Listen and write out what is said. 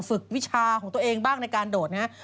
ฝึกวิชาของตัวเองบ้างในการโดดนะฮะ